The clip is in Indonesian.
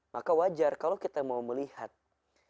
maka wajar kalau kita mau melihatnya untuk menjaga kemampuan kita